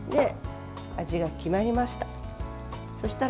味が決まりました。